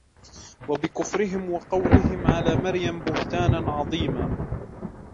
وَبِكُفْرِهِمْ وَقَوْلِهِمْ عَلَى مَرْيَمَ بُهْتَانًا عَظِيمًا